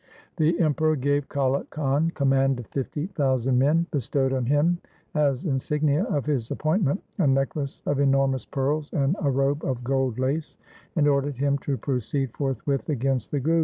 The Emperor gave Kale Khan command of fifty thousand men, bestowed on him, as insignia of his appointment, a necklace of enormous pearls and a robe of gold lace, and ordered him to proceed forthwith against the Guru.